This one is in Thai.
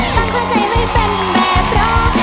ตามความใจไม่เป็นแบบเพราะ